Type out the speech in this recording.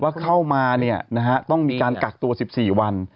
เข้ามาต้องมีการกักตัว๑๔วัน